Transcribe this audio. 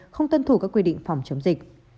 không tân thủ các quy định phòng chống dịch